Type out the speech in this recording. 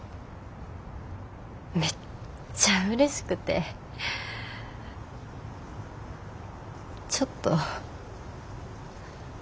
めっちゃうれしくてちょっと。